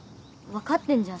分かってんじゃん